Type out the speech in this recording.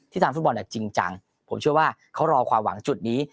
ทำฟุตบอลจริงจังผมเชื่อว่าเขารอความหวังจุดนี้